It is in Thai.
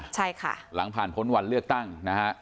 ใช่ค่ะหลังผ่านพ้นวันเลือกตั้งนะฮะ